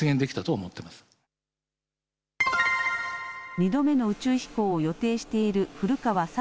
２度目の宇宙飛行を予定している古川聡